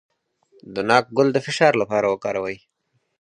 د ناک ګل د فشار لپاره وکاروئ